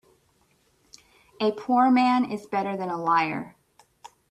A poor man is better than a liar.